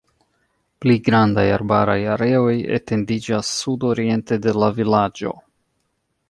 Pli grandaj arbaraj areoj etendiĝas sudoriente de la vilaĝo.